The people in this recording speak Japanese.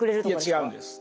いや違うんです。